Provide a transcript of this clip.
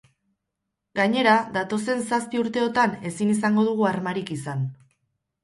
Gainera, datozen zazpi urteotan ezin izango du armarik izan.